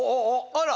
あら！